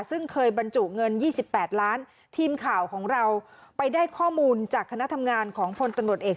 ซึ่งเคยบรรจุเงิน๒๘ล้านทีมข่าวของเราไปได้ข้อมูลจากคณะทำงานของพลตำรวจเอก